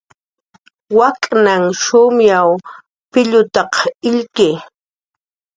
Wak'nhan shumyaw pillutaq illki